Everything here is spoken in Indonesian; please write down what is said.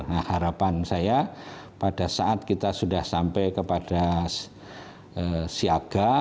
nah harapan saya pada saat kita sudah sampai kepada siaga